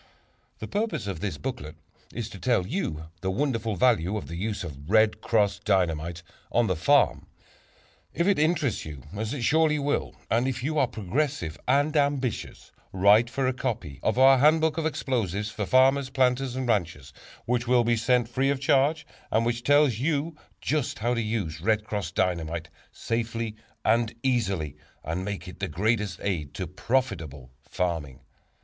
The purpose of this booklet is to tell you the wonderful value of the use of "Red Cross" Dynamite on the farm. If it interests you, as it surely will, and if you are progressive and ambitious, write for a copy of our "Handbook of Explosives for Farmers, Planters and Ranchers," which will be sent free of charge and which tells just how to use "Red Cross" Dynamite safely and easily, and make it the greatest aid to profitable farming.